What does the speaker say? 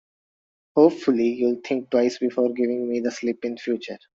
Hopefully, you'll think twice before giving me the slip in future.